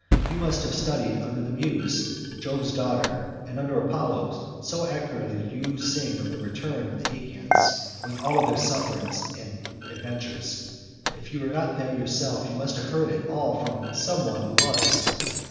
You must have studied under the Muse, Jove's daughter, and under Apollo, so accurately do you sing the return of the Achaeans with all their sufferings and adventures. If you were not there yourself, you must have heard it all from some one who was.